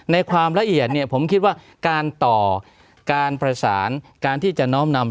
ในความละเอียดเนี่ยผมคิดว่าการต่อการประสานการที่จะน้อมนำ